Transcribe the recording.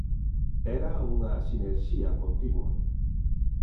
Era unha sinerxía continua.